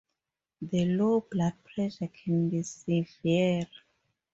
The low blood pressure can be severe.